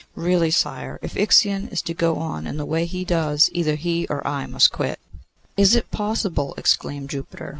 'Really, sire, if Ixion is to go on in the way he does, either he or I must quit.' 'Is it possible?' exclaimed Jupiter.